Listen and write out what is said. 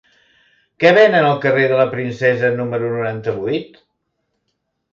Què venen al carrer de la Princesa número noranta-vuit?